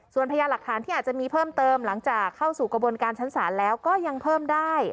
ส่วนพยานหลักฐานที่อาจจะมีเพิ่มเติมหลังจากเข้าสู่กระบวนการชั้นศาลแล้วก็ยังเพิ่มได้